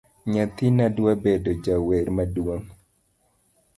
Nyathina dwa bedo jawer maduong